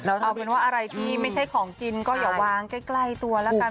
เอาเป็นว่าอะไรที่ไม่ใช่ของกินก็อย่าวางใกล้ตัวแล้วกัน